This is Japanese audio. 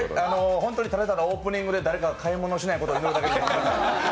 本当にただただ、オープニングで誰かが買い物をしないことを祈るだけです。